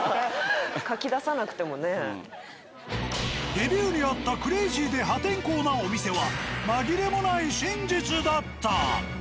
レビューにあった「クレイジーで破天荒なお店」は紛れもない真実だった。